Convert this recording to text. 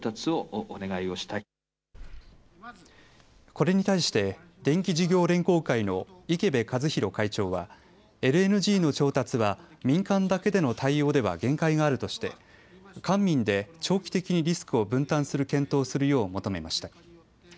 これに対して電気事業連合会の池辺和弘会長はＬＮＧの調達は民間だけでの対応では限界があるとして官民で長期的にリスクを分担する検討をするよう求めました。